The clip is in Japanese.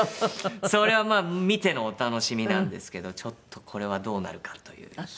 それはまあ見てのお楽しみなんですけどちょっとこれはどうなるか？というはい。